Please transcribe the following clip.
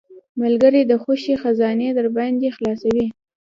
ملګری د خوښۍ خزانې درباندې خلاصوي.